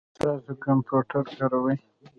تاسو کمپیوټر کاروئ؟